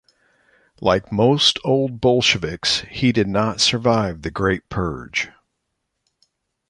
Like most Old Bolsheviks, he did not survive the Great Purge.